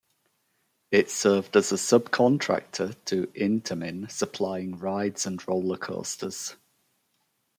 It served as a subcontractor to Intamin supplying rides and roller coasters.